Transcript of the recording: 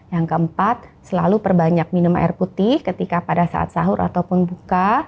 yang keempat selalu perbanyak minum air putih ketika pada saat sahur ataupun buka